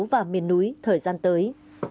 và miền núi thời gian tới